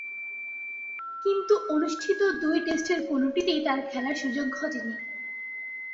কিন্তু অনুষ্ঠিত দুই টেস্টের কোনটিতেই তার খেলার সুযোগ ঘটেনি।